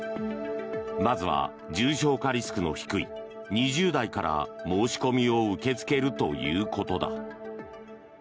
まずは重症化リスクの低い２０代から申し込みを受け付けるということだ。